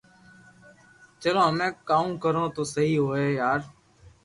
چلو ھمي ڪاوو ڪرو تو سھي ھوئي يار